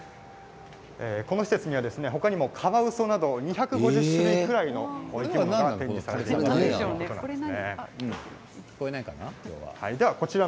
この施設には、他にもカワウソなど２５０種類くらいの生き物が展示されているんです。